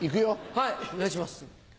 はいお願いします。